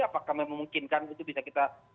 apakah memungkinkan itu bisa kita